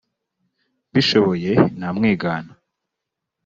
mbishoboye namwigana